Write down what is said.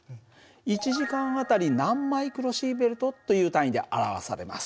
１時間あたり何マイクロシーベルトという単位で表されます。